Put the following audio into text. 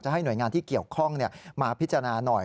ให้หน่วยงานที่เกี่ยวข้องมาพิจารณาหน่อย